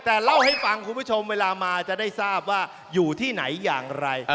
แต่เล่าให้ฟังคุณผู้ชมเวลามาจะได้ทราบว่าอยู่ที่ไหนอย่างไร